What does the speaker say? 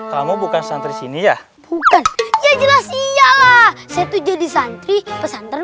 kamu bukan santri sini ya bukan jelas iyalah setuju di santri pesantren